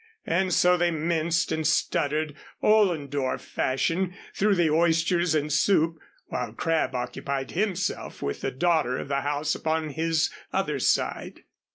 And so they minced and stuttered, Ollendorf fashion, through the oysters and soup, while Crabb occupied himself with the daughter of the house upon his other side.